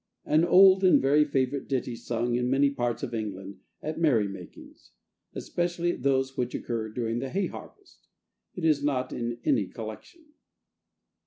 [AN old and very favourite ditty sung in many parts of England at merry makings, especially at those which occur during the hay harvest. It is not in any collection.